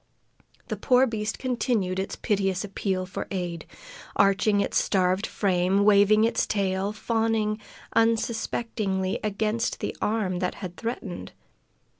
The poor beast continued its piteous appeal for aid, arching its starved frame, waving its tail, fawning unsuspectingly against the arm that had threatened.